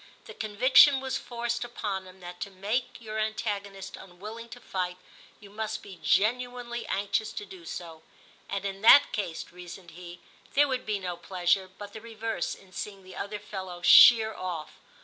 The conviction was forced in upon him that to make your antagonist unwilling to fight, you must be genuinely VI TIM 133 anxious to do so. *And in that case/ reasoned he, * there would be no pleasure, but the reverse, in seeing the other fellow sheer oflf.